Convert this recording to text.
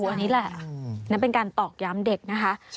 อันนี้แหละนั่นเป็นการตอกย้ำเด็กนะคะ